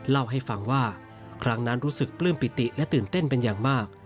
เล่าให้ฟังว่าครั้งนั้นรู้สึกปลื้มปิติและตื่นเต้นเป็นอย่างมาก